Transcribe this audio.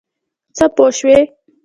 څه پوه شوې؟